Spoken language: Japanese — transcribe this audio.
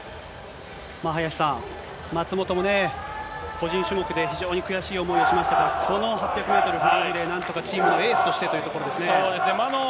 林さん、松元もね、個人種目で非常に悔しい思いをしましたから、この８００メートルリレー、なんとかチームのエースとしてというところですね。